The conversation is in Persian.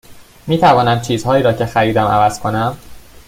می توانم چیزهایی را که خریدم عوض کنم؟